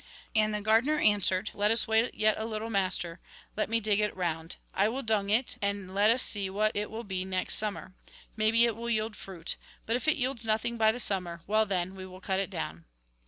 And the gardener answered :' Let us wait yet a little, master ; let me dig it round. I will dung it, and let us see what it will be next summer. Maybe it wiU yield fruit. But if it yields nothing by the summer, well then, we will cut it down.'